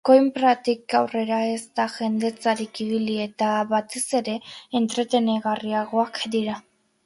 Coimbratik aurrera ez da jendetzarik ibili eta, batez ere, entretenigarriagoak dira.